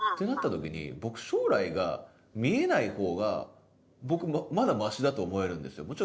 なった時に僕将来が見えない方がまだマシだと思えるんですよ。